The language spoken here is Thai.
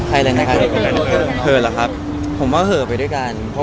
อ่าจริงมิคกี้กับท่านชะนี้ใครเหรอกันครับ